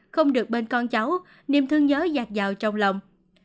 không được bên con cháu niềm thương nhớ giặc dào trong lòng